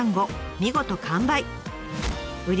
見事完売！